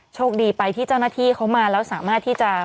โชคดีไปที่เจ้าหน้าที่เขามาแล้วสามารถที่จะ